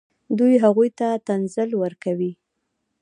دوی هغوی ته تنزل ورکوي.